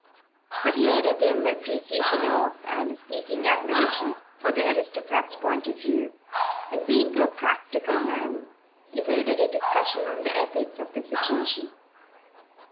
But he had a dim appreciation of, and a sneaking admiration for, the aristocrat's point of view, and, being a practical man, evaded a discussion on the ethics of the situation.